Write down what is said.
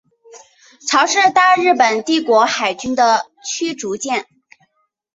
潮是大日本帝国海军的驱逐舰。